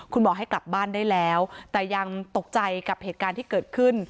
บอกให้กลับบ้านได้แล้วแต่ยังตกใจกับเหตุการณ์ที่เกิดขึ้น